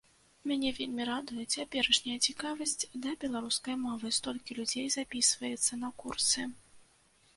Мяне вельмі радуе цяперашняя цікавасць да беларускай мовы, столькі людзей запісваецца на курсы.